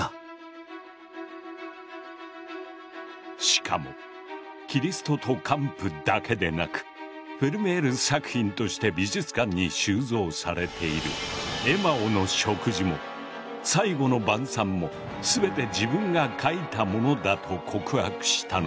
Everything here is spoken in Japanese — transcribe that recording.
しかも「キリストと姦婦」だけでなくフェルメール作品として美術館に収蔵されている「エマオの食事」も「最後の晩餐」も全て自分が描いたものだと告白したのだ。